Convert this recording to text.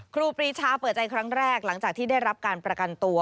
ครูปรีชาเปิดใจครั้งแรกหลังจากที่ได้รับการประกันตัว